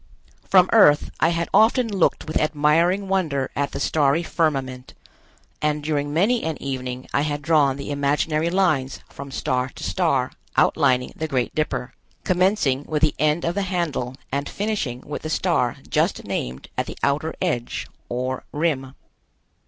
From Earth I had often looked with admiring wonder at the starry firmament, and during many an evening I had drawn the imaginary lines from star to star outlining the Great Dipper, commencing with the end of the handle and finishing with the star just named at the outer edge, or rim.